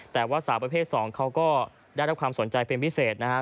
แต่ว่าสาวประเภท๒เขาก็ได้รับความสนใจเป็นพิเศษนะครับ